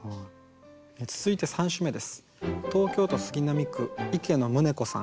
続いて３首目です。